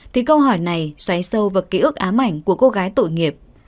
thì câu hỏi này xoáy sâu vào ký ức ám ảnh của cô gái tội nghiệp